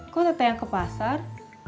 kok tetap yang ke pasar